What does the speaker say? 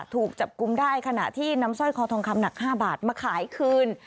ถูกจับกุมได้ขณะที่นำสร้อยคอทองคำหนัก๕บาทมาขายคืน